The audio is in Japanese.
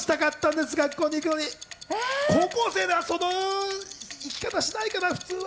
でも高校生がその行き方はしないかな普通。